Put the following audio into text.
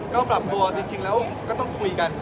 ก็ปรับตัวจริงแล้วก็ต้องคุยกัน